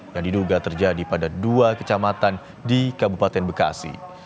yang diduga terjadi pada dua kecamatan di kabupaten bekasi